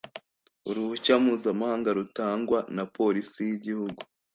uruhushya mpuzamahanga rutangwa na police y' igihugu